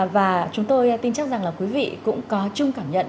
và chúng tôi tin chắc rằng là quý vị cũng có chung cảm nhận